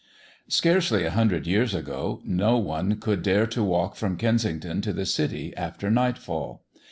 Scarcely a hundred years ago, no one could dare to walk from Kensington to the city after nightfall.